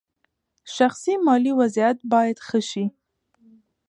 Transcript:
شخصي مالي وضعیت باید ښه شي.